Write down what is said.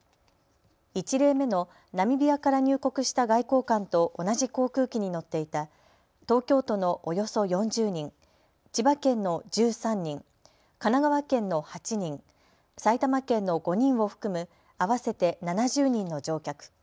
１例目のナミビアから入国した外交官と同じ航空機に乗っていた東京都のおよそ４０人、千葉県の１３人、神奈川県の８人、埼玉県の５人を含む合わせて７０人の乗客。